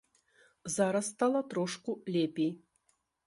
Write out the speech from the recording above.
Зараз стала трошку лепей.